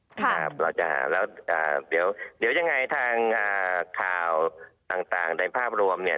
ครับเราจะแล้วเดี๋ยวยังไงทางข่าวต่างในภาพรวมเนี่ย